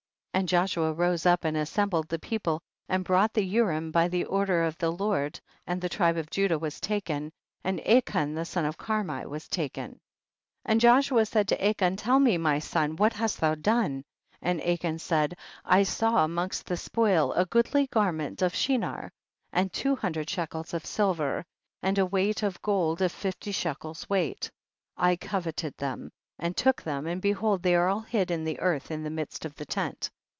33. And Joshua rose up and as sembled the people, and brought the Urim by the order of the Lord, and the tribe of Judah was taken, and Achan the son of Carmi was taken. 34. And Joshua said to Achan, tell me my son, what hast thou done, and Achan said, I saw amongst the spoil a goodly garment of Shinar and two hundred shekels of silver, and a wedge of gold of fifty shekels weight ; I coveted them and took them, and behold they are all hid in the earth in the midst of the tent.